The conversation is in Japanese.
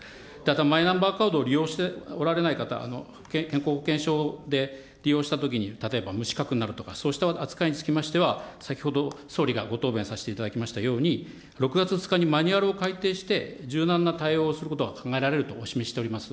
マイナンバーカードを利用しておられない方、健康保険証で利用したときに、例えば無資格になるとか、そうした扱いにつきましては、先ほど総理がご答弁させていただきましたように、６月２日にマニュアルを改定して、柔軟な対応をすることが考えられるとお示ししております。